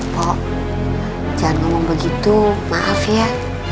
kok jangan ngomong begitu maaf ya